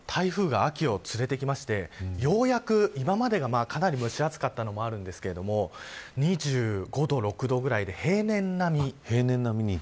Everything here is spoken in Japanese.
台風が秋を連れてきて今までが、かなり蒸し暑かったのもあるんですけど２５度、２６度ぐらいで平年並み。